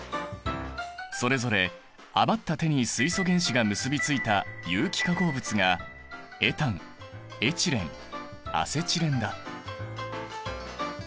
それぞれ余った手に水素原子が結び付いた有機化合物がエタンエチレンアセチレンだ。